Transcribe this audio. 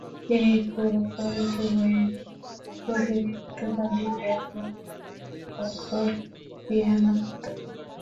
তিনি স্কুল ও কলেজ উভয়েরই প্রতিনিধিত্বকারী একজন দক্ষ পিয়ানোবাদক।